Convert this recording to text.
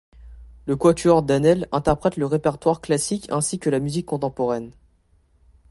Le Quatuor Danel interprète le répertoire classique ainsi que la musique contemporaine.